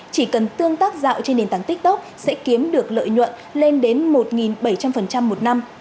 chỉ cần tương tác gạo trên nền tảng tiktok sẽ kiếm được lợi nhuận lên đến một bảy trăm linh một năm